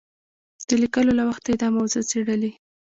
د لیکلو له وخته یې دا موضوع څېړلې.